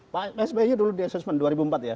pak sby dulu di assessment dua ribu empat ya